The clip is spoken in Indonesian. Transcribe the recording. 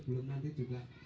bisa terselenggar ya